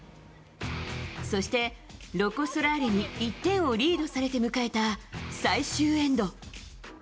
そして、ロコ・ソラーレに１点をリードされて迎えた最終エンド。